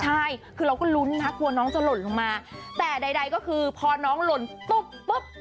ใช่คือเราก็ลุ้นนะกลัวน้องจะหล่นลงมาแต่ใดก็คือพอน้องหล่นปุ๊บปุ๊บ